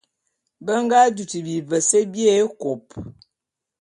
Be nga dutu bivese bié ékôp.